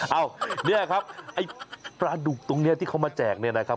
เนี่ยครับไอ้ปลาดุกตรงนี้ที่เขามาแจกเนี่ยนะครับ